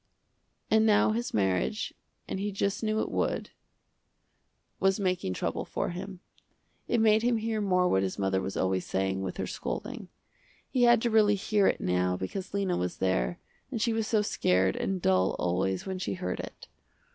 And now his marriage, and he just knew it would, was making trouble for him. It made him hear more what his mother was always saying, with her scolding. He had to really hear it now because Lena was there, and she was so scared and dull always when she heard it.